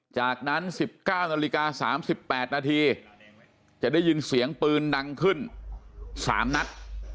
จากนั้น๑๙นาฬิกา๓๘นาทีจะได้ยินเสียงปืนดังขึ้น๓นัด